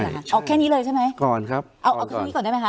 เอาแค่นี้เลยใช่ไหมก่อนครับเอาเอาแค่นี้ก่อนได้ไหมคะ